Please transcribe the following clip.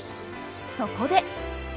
そこで！